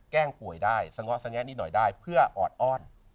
แก้งป่วยได้สงะสงะนี้หน่อยได้เพื่อออดอ้อน